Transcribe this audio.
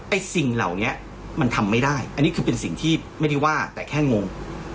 สิ่งเหล่านี้มันทำไม่ได้อันนี้คือเป็นสิ่งที่ไม่ได้ว่าแต่แค่งง